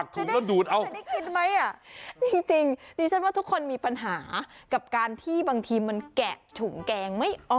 จริงดิฉันว่าทุกคนมีปัญหากับการที่บางทีมันแกะถุงแกงไม่ออก